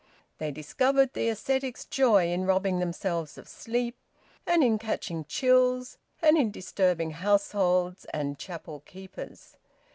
They discovered the ascetic's joy in robbing themselves of sleep and in catching chills, and in disturbing households and chapel keepers.